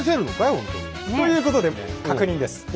ほんとに。ということで確認です。